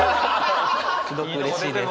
すごくうれしいです。